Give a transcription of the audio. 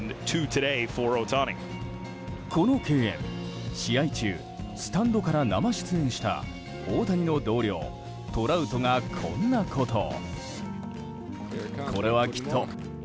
この敬遠、試合中スタンドから生出演した大谷の同僚、トラウトがこんなことを。